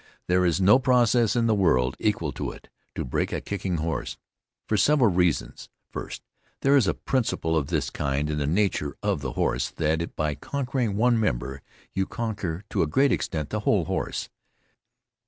There is no process in the world equal to it to break a kicking horse, for several reasons. First, there is a principle of this kind in the nature of the horse; that by conquering one member you conquer to a great extent the whole horse.